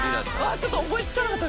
ちょっと思いつかなかった。